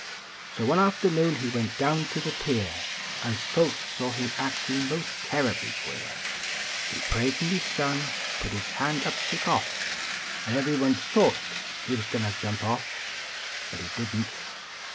So one afternoon he went down to the pier, Xd folks saw him actin most terribly queer ; He prayed nd he sung, put his hand up to cough ,\n ever} one thought he was a goin to jump off Hut he didn t.